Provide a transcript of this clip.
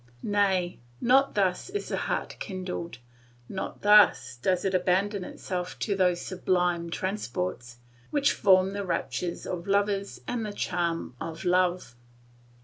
Nay, not thus is the heart kindled, not thus does it abandon itself to those sublime transports which form the rapture of lovers and the charm of love.